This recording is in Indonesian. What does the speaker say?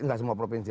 enggak semua provinsi